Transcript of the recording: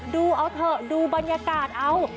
ดูเอาเถอะดูบรรยากาศเอา